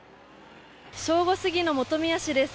正午過ぎの本宮市です。